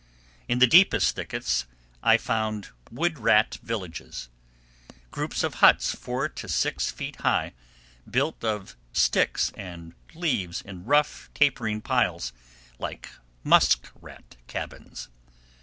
In the deepest thickets I found wood rat villages—groups of huts four to six feet high, built of sticks and leaves in rough, tapering piles, like musk rat cabins.